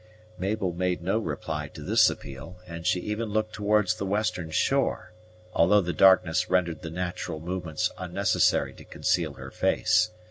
Mabel made no reply to this appeal, and she even looked towards the western shore, although the darkness rendered the natural movements unnecessary to conceal her face.